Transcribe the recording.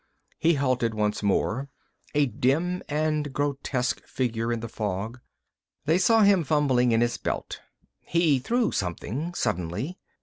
He halted once more, a dim and grotesque figure in the fog. They saw him fumbling in his belt. He threw something, suddenly.